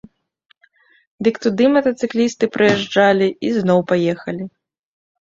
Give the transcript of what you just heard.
Дык туды матацыклісты прыязджалі і зноў паехалі.